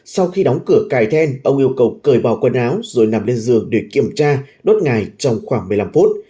sau khi đóng cửa cài then ông yêu cầu cởi bỏ quần áo rồi nằm lên giường để kiểm tra đốt ngài trong khoảng một mươi năm phút